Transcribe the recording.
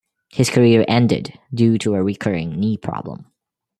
His career ended due to a recurring knee problem.